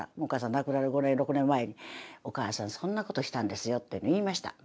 亡くなる５年６年前に「お義母さんそんなことしたんですよ」って言いました。